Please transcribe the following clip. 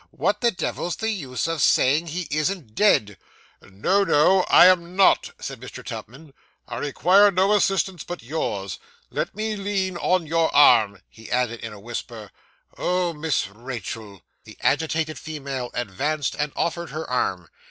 'What the devil's the use of his saying he isn't dead?' 'No, no, I am not,' said Mr. Tupman. 'I require no assistance but yours. Let me lean on your arm.' He added, in a whisper, 'Oh, Miss Rachael!' The agitated female advanced, and offered her arm.